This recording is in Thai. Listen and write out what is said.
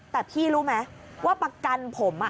แต่พี่รู้ไหมว่าประกันผม